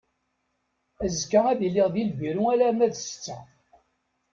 Azekka ad iliɣ di lbiru alarma d setta.